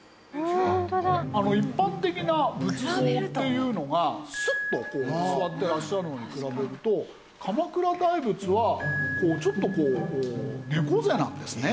一般的な仏像っていうのがスッとこう座ってらっしゃるのに比べると鎌倉大仏はちょっとこう猫背なんですね。